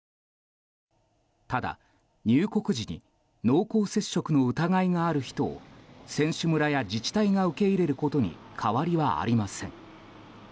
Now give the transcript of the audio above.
ただ、入国時に濃厚接触の疑いがある人を選手村や自治体が受け入れることに変わりはありません。